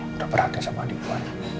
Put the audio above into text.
berhati hati sama adik gue